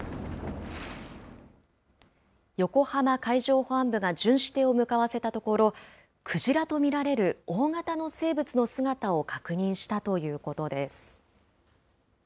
横浜海上保安部が巡視艇を向かわせたところ、クジラと見られる大型の生物の姿を確認したということです。